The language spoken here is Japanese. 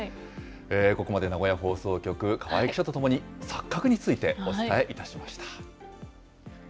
ここまで、名古屋放送局、河合記者と共に錯覚についてお伝えいたしました。